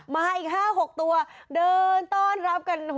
มาอีก๕๖ตัวเดินต้อนรับกัน